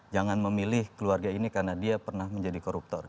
jangan memilih keluarga ini karena dia pernah menjadi koruptor